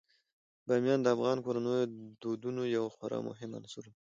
بامیان د افغان کورنیو د دودونو یو خورا مهم عنصر دی.